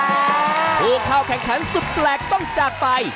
ผู้เข้าแข่งขันสุดแปลกต้องจากไป